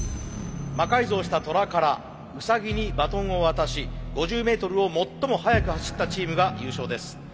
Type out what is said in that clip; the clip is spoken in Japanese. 魔改造したトラからウサギにバトンを渡し５０メートルを最も速く走ったチームが優勝です。